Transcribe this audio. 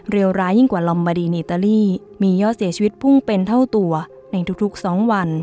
ร้ายยิ่งกว่าลอมบาดีในอิตาลีมียอดเสียชีวิตพุ่งเป็นเท่าตัวในทุก๒วัน